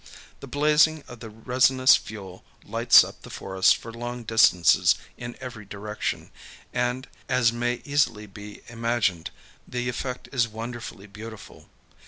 The blazing of the resinous fuel lights up[Pg 120] the forest for long distances in every direction, and, as may easily be imagined, the effect is wonderfully beautiful.